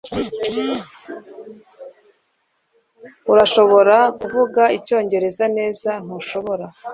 urashobora kuvuga icyongereza neza, ntushobora